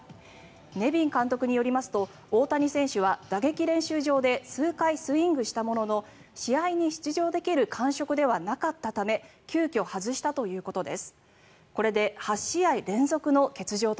ネビン監督によりますと大谷選手は打撃練習場で数回スイングしたものの試合に出場できる感触ではなかったため急きょ、外したということです。